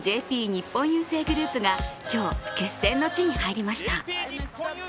日本郵政グループが今日、決戦の地に入りました。